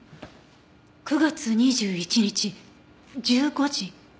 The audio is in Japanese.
９月２１日１５時。